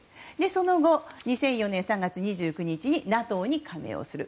その後、２００４年３月２９日にＮＡＴＯに加盟をする。